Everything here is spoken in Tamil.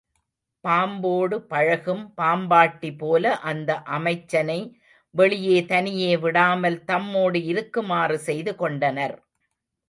பாம்போடு பழகும் பாம்பாட்டி போல அந்த அமைச்சனை வெளியே தனியே விடாமல் தம்மோடு இருக்குமாறு செய்து கொண்டனர்.